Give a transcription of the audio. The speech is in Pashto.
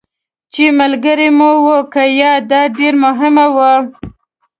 چې ملګري مو وو که یا، دا ډېره مهمه وه.